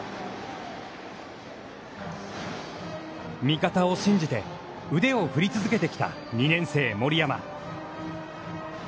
味方を信じて腕を振り続けてきた２年生森山。